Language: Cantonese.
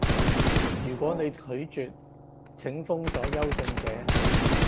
如果你拒絕，請封鎖優勝者